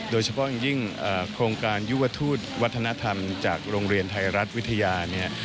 โดยเฉพาะอย่างยิ่งโครงการยุวทูตวัฒนธรรมจากโรงเรียนไทยรัฐวิทยาเนี่ย